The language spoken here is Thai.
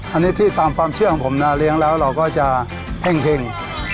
อันนี้ที่ตามความเชื่อของผมนะเลี้ยงแล้วเราก็จะเฮ่ง